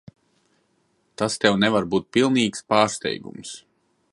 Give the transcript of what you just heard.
Tas tev nevar būt pilnīgs pārsteigums.